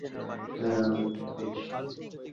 ছেলেরা, আমি একটা পেয়েছি!